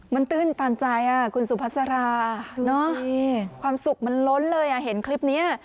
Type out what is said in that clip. มันตื้นตันใจคุณสุภาษาราความสุขมันล้นเลยเห็นคลิปนี้